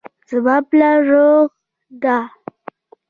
زما پلار روغ ده